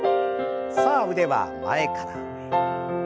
さあ腕は前から上へ。